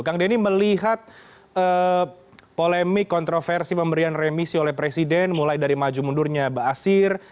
kang denny melihat polemik kontroversi pemberian remisi oleh presiden mulai dari maju mundurnya basir